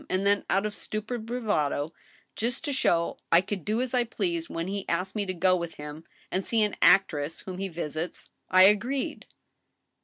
... And then, out of stupid bravado, just to show I could do as I pleased, when he asked me to go with him and see an actress whom he visits, I agreed."